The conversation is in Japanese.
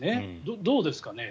どうですかね。